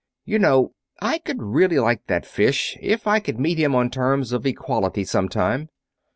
You know, I could really like that fish if I could meet him on terms of equality sometime?"